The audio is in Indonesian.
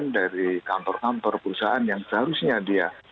dari kantor kantor perusahaan yang seharusnya dia